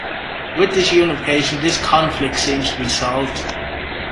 With this unification this conflict seems to be solved.